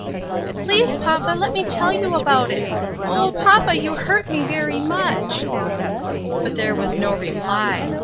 " Please, papa, let me tell you about it. Oh ! papa, you hurt me very much." But there was no reply.